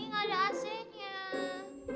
gak ada asinnya